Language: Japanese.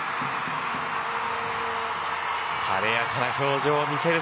晴れやかな表情を見せる